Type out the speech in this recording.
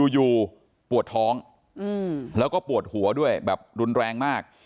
อยู่ปวดท้องแล้วก็ปวดหัวด้วยแบบรุนแรงมาก